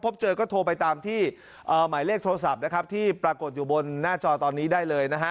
พบเจอก็โทรไปตามที่หมายเลขโทรศัพท์นะครับที่ปรากฏอยู่บนหน้าจอตอนนี้ได้เลยนะฮะ